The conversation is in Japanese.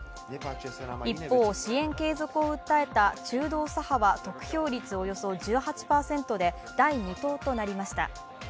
一方、支援継続を訴えた中道左派は得票率およそ１８％で第２党となりました。